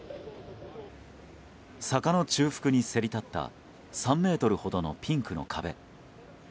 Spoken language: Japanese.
坂の中腹にせり立った３ｍほどのピンクの壁。